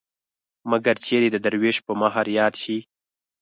مګر چېرې د دروېش په مهر ياد شي.